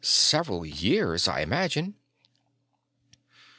"Several years, I imagine..."